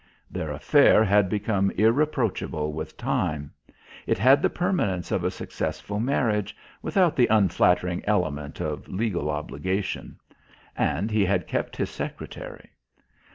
Their affair had become irreproachable with time; it had the permanence of a successful marriage without the unflattering element of legal obligation. And he had kept his secretary.